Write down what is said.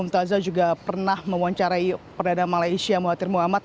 razak juga pernah memuancarai perdana malaysia mahathir muhammad